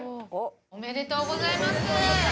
おめでとうございます！